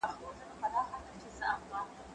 زه اوږده وخت مېوې وچوم وم؟!